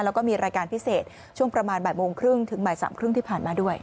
แล้วก็มีรายการพิเศษช่วงประมาณบ่ายโมงครึ่งถึงบ่ายสามครึ่งที่ผ่านมาด้วย